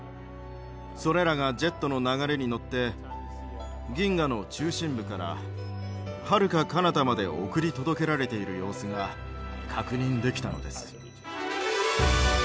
それらがジェットの流れに乗って銀河の中心部からはるかかなたまで送り届けられている様子が確認できたのです。